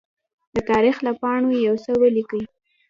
د تاریخ له پاڼو يوڅه ولیکئ!